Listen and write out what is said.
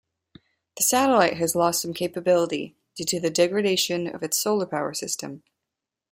The satellite has lost some capability due to degradation of its solar power system.